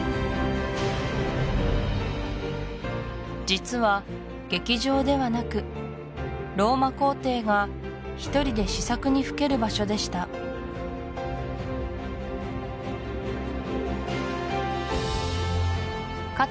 実は劇場ではなくローマ皇帝が一人で思索にふける場所でしたか